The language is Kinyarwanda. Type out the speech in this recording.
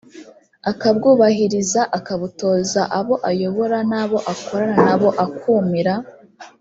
akabwubahiriza akabutoza abo ayobora n abo akorana na bo akumira